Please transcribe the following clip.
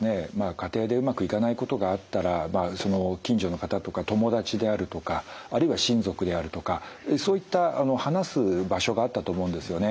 家庭でうまくいかないことがあったら近所の方とか友達であるとかあるいは親族であるとかそういった話す場所があったと思うんですよね。